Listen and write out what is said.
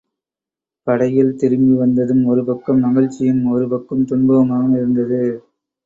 படைகள் திரும்பி வந்ததும், ஒரு பக்கம் மகிழ்ச்சியும் ஒரு பக்கம் துன்பமாகவும் இருந்தது.